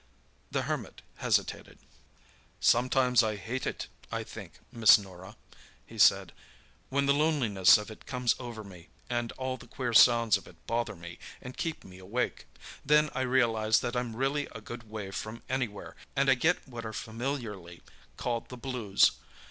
The Hermit hesitated. "Sometimes I hate it, I think, Miss Norah," he said, "when the loneliness of it comes over me, and all the queer sounds of it bother me and keep me awake. Then I realise that I'm really a good way from anywhere, and I get what are familiarly called the blues.